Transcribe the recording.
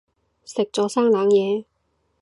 食咗生冷嘢